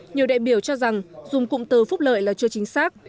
nhiều đại biểu cho rằng dùng cụm từ phúc lợi là chưa chính xác